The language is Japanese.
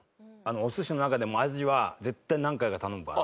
お寿司の中でもアジは絶対何回か頼むから。